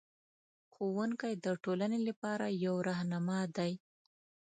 ښوونکی د ټولنې لپاره یو رهنما دی.